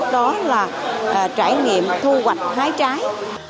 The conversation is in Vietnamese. đó là trải nghiệm thu hoạch hái trái